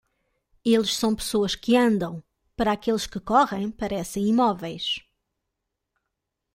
Eles são pessoas que andam; Para aqueles que correm, parecem imóveis.